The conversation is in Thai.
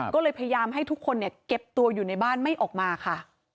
ก็เลยพยายามให้ทุกคนเก็บตัวอยู่ในบ้านไม่ออกมาค่ะ